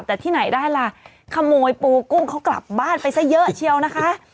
แต่ที่ไหนได้ล่ะขโมยปูกุ้งเขากลับบ้านไปซะเยอะเชียวนะคะ